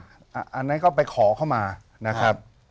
อันนั้นก็ไปขอเข้ามานะครับ